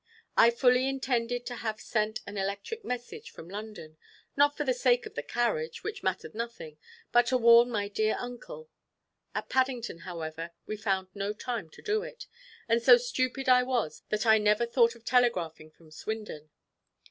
I fully intended to have sent an electric message from London, not for the sake of the carriage, which mattered nothing, but to warn my dear uncle; at Paddington, however, we found no time to do it, and so stupid I was that I never once thought of telegraphing from Swindon.